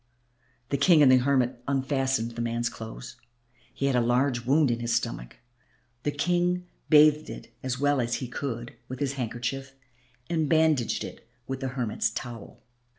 The King and the hermit unfastened the man's clothes. He had a large wound in his stomach. The King bathed it as well as he could with his handkerchief and bandaged it with the hermit's towel.